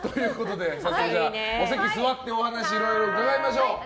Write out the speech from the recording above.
早速、お席に座ってお話をいろいろ伺いましょう。